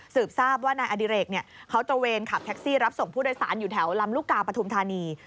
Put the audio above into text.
ทราบว่านายอดิเรกเขาตระเวนขับแท็กซี่รับส่งผู้โดยสารอยู่แถวลำลูกกาปฐุมธานี